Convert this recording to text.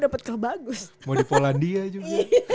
dapat klub bagus mau di polandia juga